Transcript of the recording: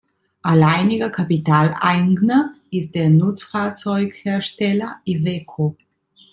Alleiniger Kapitaleigner ist der Nutzfahrzeughersteller Iveco.